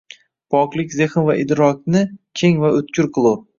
Poklik zehn va idrokingni keng va o’tkur qilur